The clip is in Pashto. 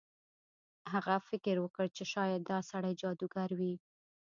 هغه فکر وکړ چې شاید دا سړی جادوګر وي.